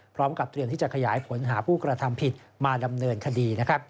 พร้อมกับเตรียมที่จะขยายผลหาผู้กระทำผิดมาดำเนินคดี